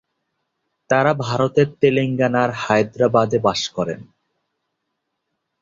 তাঁরা ভারতের তেলেঙ্গানার হায়দ্রাবাদে বাস করেন।